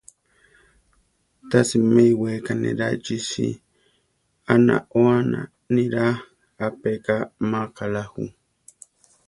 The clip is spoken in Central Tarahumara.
Tási me eʼweká niráa ichisí; aʼnaóana niráa, aʼpeká má kaʼlá ju.